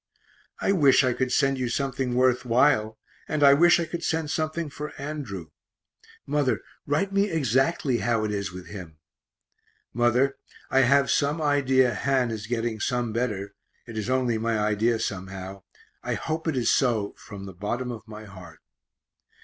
I wish I could send you something worth while, and I wish I could send something for Andrew mother, write me exactly how it is with him.... Mother, I have some idea Han is getting some better; it is only my idea somehow I hope it is so from the bottom of my heart.